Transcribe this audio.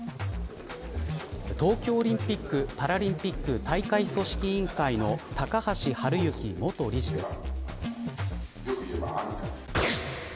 東京オリンピック・パラリンピック大会組織委員会の高橋治之元理事です。